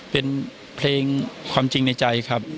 เป็นเพลงความจริงในใจครับ